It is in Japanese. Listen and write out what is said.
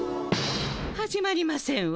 始まりませんわ。